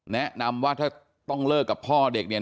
แนะนำว่าถ้าต้องเลิกกับพ่อเด็กเนี่ย